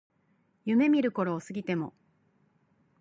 夢見る頃を過ぎても